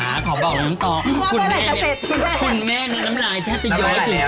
แต่ขอบอกลงต่อคุณแม่น้ำลายแทบจะย้อย